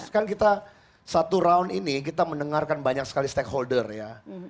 kan kita satu round ini kita mendengarkan banyak sekali stakeholder ya